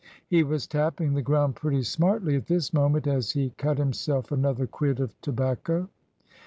He was tapping the ground pretty smartly at this moment, as he cut himself another quid of tobacco.